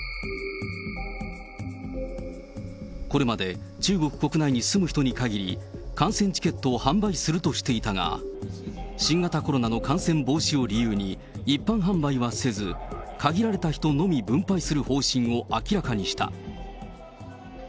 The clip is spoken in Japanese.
これまで中国国内に住む人に限り、観戦チケットを販売するとしていたが、新型コロナの感染防止を理由に、一般販売はせず、限られた人のみ分配する方針を明らかにした。